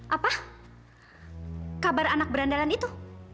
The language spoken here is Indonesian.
apa kabar anak berandalan itu